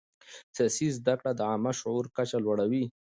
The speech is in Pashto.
سیاسي زده کړه د عامه شعور کچه لوړوي